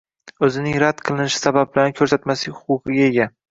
o‘zining rad qilishi sabablarini ko‘rsatmaslik huquqiga ega.